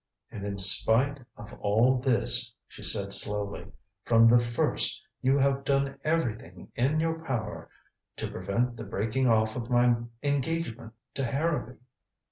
"And in spite of all this," she said slowly, "from the first you have done everything in your power to prevent the breaking off of my engagement to Harrowby."